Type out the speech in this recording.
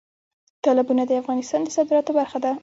تالابونه د افغانستان د صادراتو برخه ده.